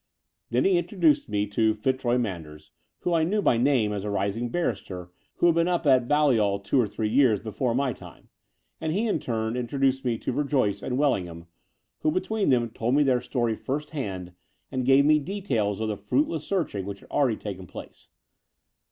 Then he introduced me to Fitzroy Manders, whom I knew by name as a rising barrister who had been up at Balliol two or three years before my time; and he in turn introduced me to Verjoyce and Wdlingham, who between them told me their story first hand and gave me details of the fruitless searching which had already taken place.